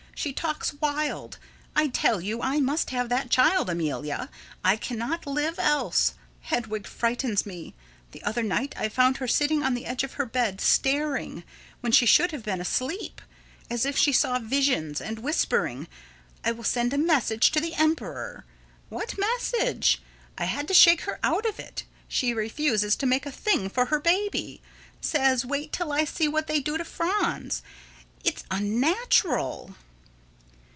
She talks wild. I tell you I must have that child, Amelia! I cannot live else. Hedwig frightens me. The other night I found her sitting on the edge of her bed staring, when she should have been asleep, as if she saw visions, and whispering, "I will send a message to the emperor." What message? I had to shake her out of it. She refuses to make a thing for her baby. Says, "Wait till I see what they do to Franz." It's unnatural.